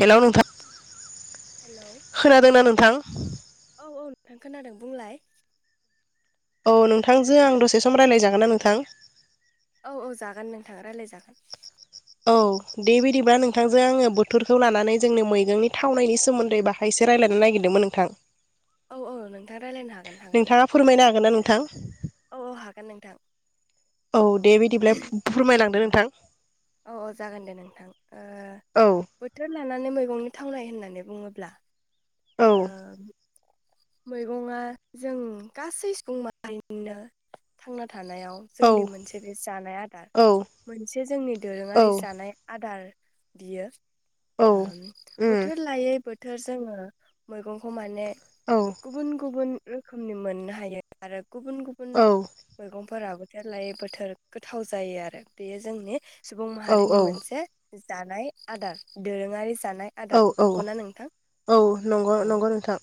Hello नोंथां hello खोनादोंना नोंथां औ औ नोंथां खोनादों बुंलाय औ नोंथांजों आं दसे सम रायज्लायजागोन ना नोंथां औ औ जागोन नोंथाङा राय्लायजागोन औ देभ बा नोंथांजों आङो बोथोर खौ लानानै जोंनो मैगंनि थावनायनि सोमोन्दै बाहाय एसे रायज्लायनो नागिरदोंमोन नोंथां औ औ नोंथाङा रायलायनो हागोन हागोन गोनो नोंथां औ औ हागोन नोंथां औ दे बिदिब्ला फोरमायलांदो नोंथां औ औ जागोन दे नोंथां ओ औ बोथोर ला नानै मैगंनि थांनाय होननानै बुङोब्ला औ ओह मैगंआ जों गासै सुबुं माहारिनिनो थांना थानायाव औ जोंनि मोनसे बे जानाय आदार औ मोनसे जोंनि दोरोङारि जानाय आदार बियो औ ओ उम बोथोर लायै बोथोर थोर जोङो मैगंखौ माने औ गुबुन गुबुन रोखोमनि मोननो हायो आरो गुबुन गुबुन औ मैगंफोराबो जाद लायै बोथोर गोथाव जायो आरो बेयो जोंनि सुबुं औ माहारिनि मोनसे जानाय आदार दोरोङारि जानाय औ आदार औ नंगौना नोंथां औ नंगौ औ नंगौ नोंथां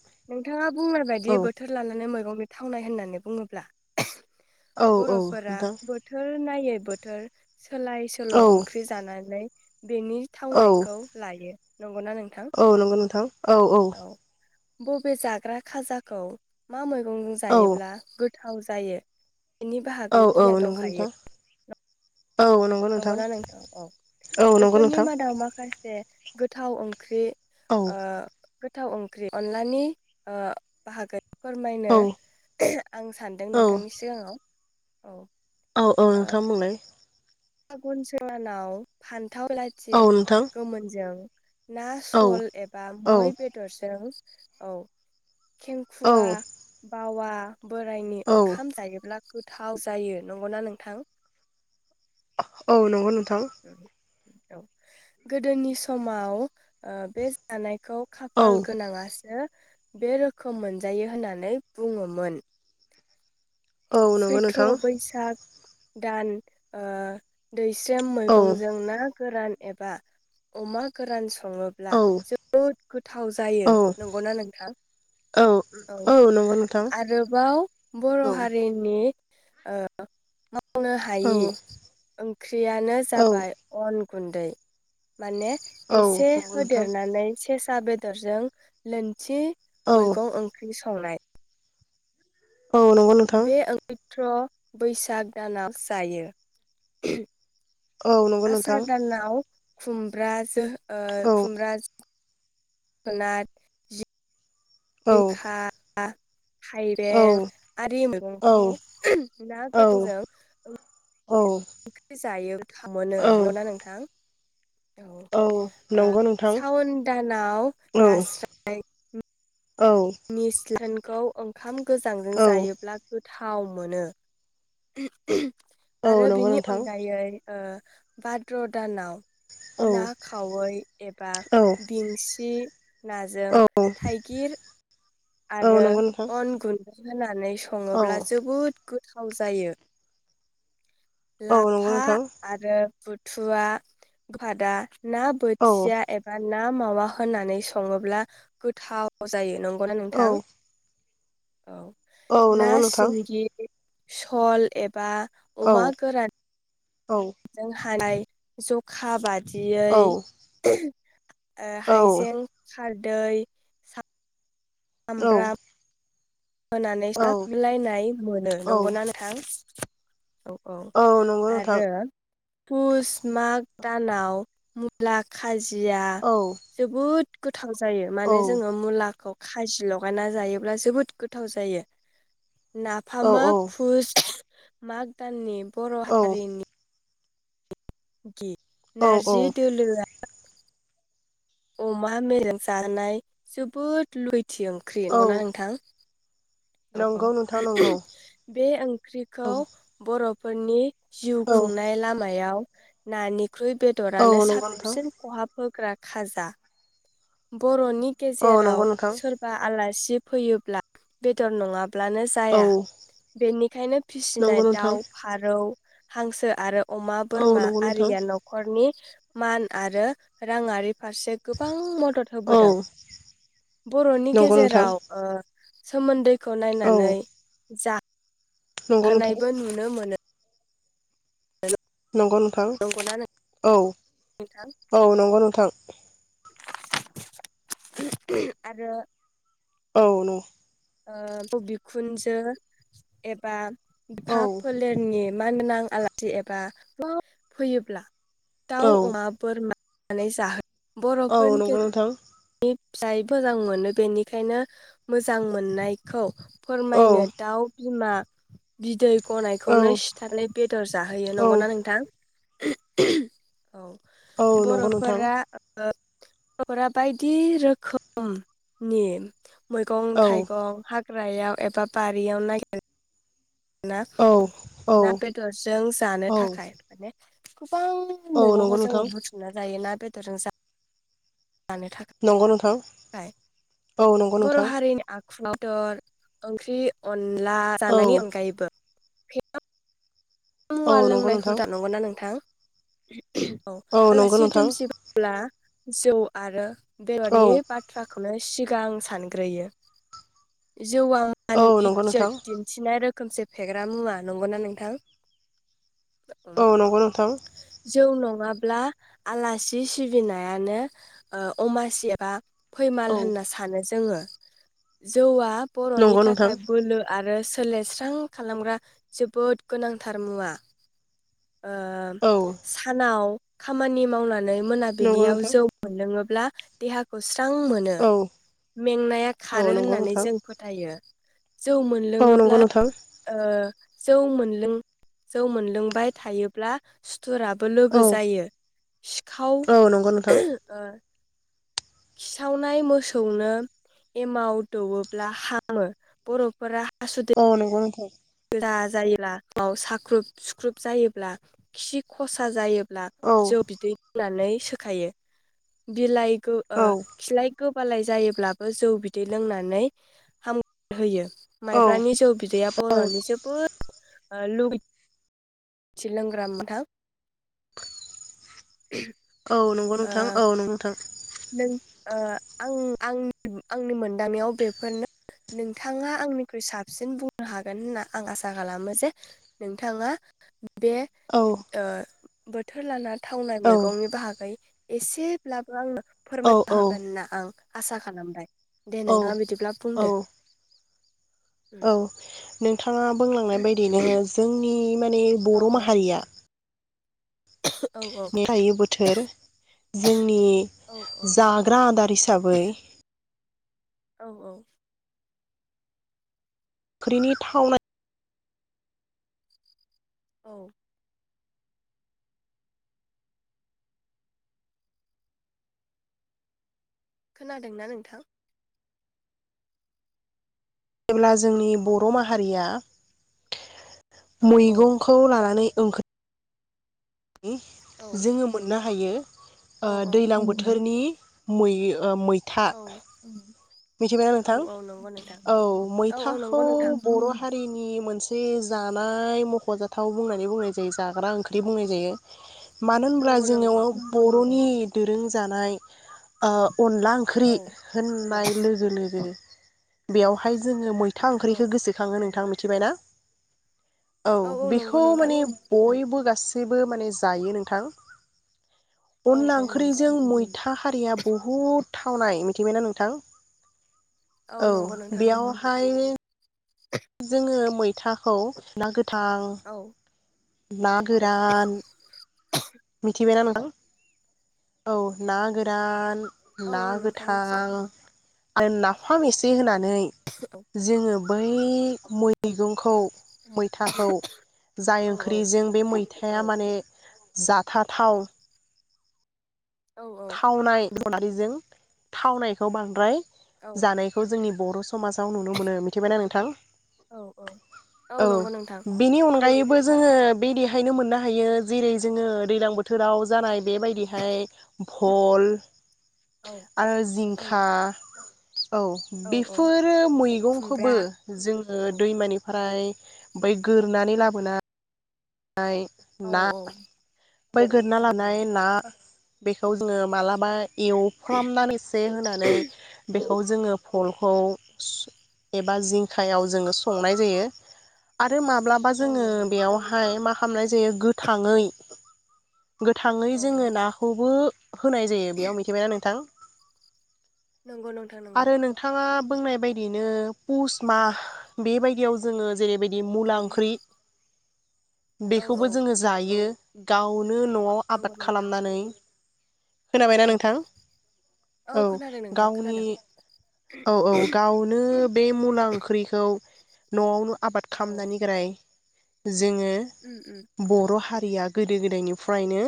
मा बुंनाय बायदि औ बोथोर लानानै नो मैगं बे थावनाय होननानै बुङोब्ला औ औ बर'फोरा नोंथां बोथोर नायै बोथोर सोलाय सोल' औ ओंख्रि जानानै बेनि औ थावनायखौ लायो नंगौना नोंथां औ नंगौ नोंथां औ औ बबे जा रा खाजाखौ मा मै ओं औ जायोब्ला गोथाव जायो बेनि बाहागै औ गियान नंगौ नोंथां दंखायो औ नंगौ नंगौना नोंथां औ औ नंगौ बेफोरनि नोंथां मादाव माखासे गोथाव ओंख्रि औ ओ गोथाव ओंख्रि अनलानि ओ बाहागो फोरमायनो औ आं सानदों औ नोंथांनि सिगाङाव औ औ औ ओ नोंथां बुंलाय फागुन सेङानाव हान थाव लात्जि औ नोंथां गोमोनजों ना औ सल एबा औ मै बेदरजों औ औ खेंखुवा बावा बोरायनि औ ओंखाम जायोब्ला गोथाव जायो नंग'ना नोंथां? औ नङ' नं [inaudible] औ गोदोनि समाव ओ बे जानाय खौ औ खाफाल गोनाङासो बे रोखोम मोनजायो होननानै बुङोमोन। औ नंगौ नोंथां सैथ्र' बैसाग दान ओ दैस्रेम औ मैगंजों ना गोरान एबा अमा गोरान स ङोब्ला औ जोबोद गोथाव जायो औ नंगौना नोंथां औ नंगौ नोंथां आरोबाव बर' औ हारि नि ओ [unintelligible] बुंनो औ हायि ओंख्रियानो औ जाबाय अन गुन्दै माने औ एसे नंगौ नोंथां होदेरनानै सेस आ बेदरजों लोनथि औ मैगं ओंख्रि सं संनाय औ नंगौ नोंथां बे ओं थ्र' बैसाग दानाव जायो [unintelligible] औ नंगौ नोंथां आसार दानाव खुमब्राजो ओ औ खुमब्राजो जोगोनार, जिं खा, औ थाइबें आरि औ मैगंखौ ना औ गोथांजों [unintelligible] ओंख्रि जायो गोथाव औ मोनो ना नोंथां? औ ओ नंगौ नोंथां सावन दानाव औ औ नास्राय निस्लाखौ ओंखाम गोजांजों औ जायोब्ला गो थाव मोनो। औ आरो नंगौ बेनि नोंथां अनगायै ओ भाद्र' दानाव औ ना खावै एबा औ बिंसि नाजों औ थाइगिर औ आरो नंगौ नोंथां अन गुन्दै होनानै औ सङोब्ला जोबोद गो थाव जायो। औ नंगौ लाफा नोंथां आरो बुथुवा गोफादा ना औ बोथिया एबा ना मावा होननानै सङोब्ला गोथाव जायो नंगौ नंगौना औ नोंथां? औ औ ना नंगौ नोंथां सिंगि सल एबा अमा औ। औ। होखानाय जखा बा औ औ दियै ओ हाइजें खार दै सा। औ हामब्राम होनानै औ मिलायनाय मोनो औ नंगौना नोंथां। औ औ नंगौ नोंथां आरो पुस माग दानाव मुला खाजि जिया औ जोबोद थां जायो औ माने जोङो मुलाखौ खाजि लगायना जायोब्ला जोबोद गोथाव जायो। औ नाफामा फुज माग दाननि बर' औ हारिनि औ नारजि औ दोलआ अमा मेजेम जानाय जोबोद लु थि ओंख्रि औ नंगौना नोंथां। औ औ नंगौ नोंथां नंगौ बे औ ओंख्रिखौ बर' फोरनि जिउ औ खुंनाय लामायाव नानिक ख्रुब औ बेदरानो नंगौ नोंथां साबसिन खहाफो। ग्रा खाज [unintelligible] बर'नि नि औ नंगौ गेजेराव नोंथां सोरबा आलासि बिदि फैयोब्ला बेदर नङाब ब्लानो औ जाया बेनिखायनो फिसिनाय नंगौ नोंथां दाउ फारौ हांसो आरो अमा औ बोरमा नंगौ नोंथां आरिया न'खरनि मान आरो राङारि फारसे गोबां मद होबोदों औ बर'नि नंगौ नोंथां गेजेराव ओ सोमोन्दै खौ औ नायनानै जा नंगौ नोंथां खानायबो नुनो मोनो। नंगौ नोंथां नंगौना औ नोंथां औ नंगौ नोंथां। आरो औ नं ओ ब बिखुनजो एबा भाब औ फोलेरनि मानगोनां आलासि एबा फैयोब्ला दाउ औ अमा बोरमा नानै जाहो औ नंगौ नोंथां। नि फिसाय फोजां मोनो बेनिखायनो मोजां मोननायखौ फोरमायनो औ दाउ बिमा बिदै औ गनायखौनो सिथारनाय बेदर जाहोयो औ नंगौना नोंथां? [inaudible] औ औ नंगौ नोंथां बर'फोरा ओ [unintelligible] बायदि रोखोमनि मैगं औ थाइगं हा हाग्रायाव एबा बारियाव नागेर ना औ औ ना बेदरजों जानो औ थाखाय माने गोबां औ नंगौ मैगंखौ जोङो नोंथां बुथुमना जायो ना बेदरजों जा जानो नंगौ नोंथां खाय औ नंगौ बर' नोंथां हारिनि आ [unintelligible] ओंख्रि अन अनला औ जानायनि अनगायैबो [unintelligible] औ मुवा नंगौ लोंनायखौ नोंथां [unintelligible] नंगौना नोंथां उ औ नंगौ आलासि नोंथां दुमसि ब्ला जौ आरो औ बेदरनि बाथ्राखौनो सिगां सानग्रोयो जौआ मान औ नंगौ नोंथां इजजोत दिन्थिनाय रो खोमसे फेग्रा मुवा नंगौना नोंथां औ नंगौ नोंथां [inaudible] जौ नंङा अब्ला आलासि सिबिनायानो ओ अमासि एबा फैमाल औ होनना सानो जोंङो जौवा बर'नि नंगौ नोंथां थाखाय बोलो आरो सो सोलेर स्रां खालामग्रा जोबोद गोनां थार मुवा ओ म औ सानाव खामानि मावना नै नंगौ मोनाबिलियाव नोंथां जौ मोनलोंङो ब्ला देहाखौ सिब स्रां मोनो औ मेंनाया औ खारो नंगौ होननानै नोंथां जों फोथायो जौ औ मोनलोङोब्ला नंगौ नोंथां ओ जौ मोनलों जौ मोनलोंबाय थायोब्ला सु थुराबो लोगो औ जायो सिखाव औ नंगौ नोंथां ओ-हो ओ खिसावनाय मोसौनो एमाव दौवोब्ला हामो बर'फोरा औ नंगौ नोंथां। जा जायोब्ला उनाव साख्रुब सुख्रुब जायोब्ला खि खरसा जायो ब्ला औ जौ बिदै लोंनानै सोखायो बिलाइ गो ओ औ खिलाइ गोबालाय जायोब्लाबो जौ बिदै लोंनानै हाम होयो। माइब्रानि जौ बिदैया बर'नि जोबोद ओ लुगैथि लोंग्रा मोनथाम उम औ नंगौ नोंथां औ नंगौ नोंथां। नों ओ आं आंनि आंनि मोनदांनायावम बेफोरनो नोंथांङा आंनिख्रुइ साबसिन बुंनो हागोन होनना आं आसा खालामो जे नोंथांङा बे औ ओ बोथोर लाना थावनाय औ मैगंनि बाहागै एसेब्लाबो आंनो औ फोरमायनो हागोन औ ना आं आसा खालामबाय। दे औ नोंथा बिदिब्ला औ बुंदो। औ। नोंथाङा बुंलांनाय बायदियैनो जोंनि माने औ बर' माहारिया औ औ बोथोर लायै बोथोर जोंनि औ औ जाग्रा आदार हिसाबै औ औ। ओंख्रिनि थावनाय औ। खोनादोंना नोंथां? जेब्ला जोंनि बर' माहारिया औ औ मैगंखौ लानानै [unintelligible] औ जोङो मोननो हायो। ओ औ दैज्लां बोथोरनि मै ओ मै मैथा औ मिथिबायना औ नोंथां औ नंगौ नोंथां औ औ औ मैथाखौ नंगौ नोंथां बर' हारिनि मोनसे जानाय मख'जाथाव बुंनानै बुंनाय जायो जाग्रा ओंख्रि बुंनाय जायो। बेयो मानो होनब्ला नंगौ जोङो नंगौ बर'नि दोरों जानाय ओ अनला ओंख्रि औ होननाय लोगो लोगो बेवहाय जोङो मैथा औ ओंख्रिखौ गोसोखाङो नोंथांमोन। मिथिबायना। औ औ औ नंगौ बेखौ नोंथां माने बयबो गासि बो माने जायो नोंथां। औ अनला औ नंगौ ओंख्रिजों मैथा हारिया बहुद थावनाय मिथिबायना नोंथां। औ नंगौ नोंथां नंगौ बेयावहायनि थाखौ नोगोद थां औ ना गोरान मिथिबायना नोंथां औ ना गोरान औ ना औ नोंथां मिथिदों गोथां आरो नाफाम एसे होना नै जोङो बै मै मैगंखौ मैथाखौ जाय औ औ ओंख्रिजों बे औ मैथाया माने जाथा थाव औ औ थावनायबो खारिजों थावनायखौ बांद्राय औ जानायखौ जोंनि बर' समाजाव नुनो मोनो मिथिबाय ना नों थां औ औ औ नंगौ नोंथां बेनि अनगायै बो जोङो बेदिहायनो मोननो हायो जेरै जोङो दैज्लां बोथोराव जानाय बेबायदिहाय भल औ आरो औ जिंखा औ औ औ बेफोरो मैगंखौबो खुमब्रा जोङो औ दैमानिफ्राय ओमफाय गोरनानै लाबोना य औ ना। औ ओमफाय गोरना नंगौ लानाय नंगौ ना। बेखौ जोङो मालाब बा एवफ्रामनानै एसे होनानै औ बेखौ जोङो फलखौ सु एबा जिंखायाव जोङो संनाय जायो आद आरो माब्लाबा औ जोङो नंगौ नोंथां बेयावहाय मा खालामनाय जायो गोथाङै गोथाङै औ औ जोङो नाखौबो होनाय जायो बेयाव मिथिबायना नोंथां। नंगौ नोंथां नंगौ आरो नोंथाङा बुंनाय बायदिनो पुस मा बेबायदियाव जोङो जेरैबाय दि मुला औ ओंख्रि औ औ बेखौबो जोङो जायो। गाउन। नो न'आव नंगौ आबाद नोंथां खालामनानै खोनाबायना औ औ नोंथां औ खोनादों नोंथां गावनि खोनादों औ-औ गावनो बे मुला ओंख्रिखौ न'आवनो आबाद औ खामनानिग्राय जोङो उम उम बर' हारिया गोदो गोदायनिफ्रायनो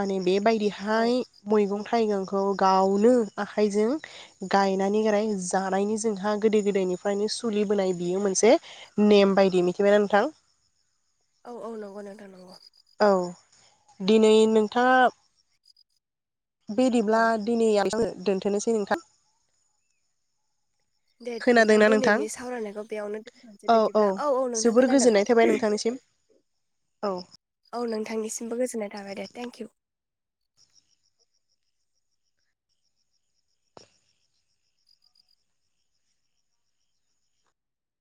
माने बे औ बायदिहाय मैगं थाइगंखौ गावनो आखाइजों गायनानै गोराय जानायनि जोंहा गोदो गोदायनिफ्रायनो सोलिबोनाय बियो मोनसे नेम बायदि मिथिबायना नोंथां। औ-औ नंगौ नोंथां नंगौ। औ दिनै नोंथाङा बिदिब्ला औ दिनै [unintelligible] दोनथ'नोसै नोंथां। दे नोंथां दिनैनि सावरायनायखौ बेयावनो दोनथ'सै औ औ बिदिब्ला औ-औ नोंथां जोबोर खोनादों। गोजोननाय थाबाय नोंथांनिसिम औ। औ नोंथांनिसिमबो गोजोननाय थाबाय दे थेंक इउ।